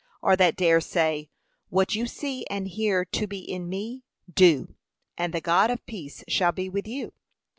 or that dare say, What you see and hear to be in me, do, 'and the God of peace shall be with you